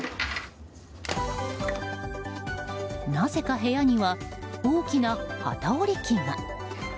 なぜか部屋には大きな機織り機が。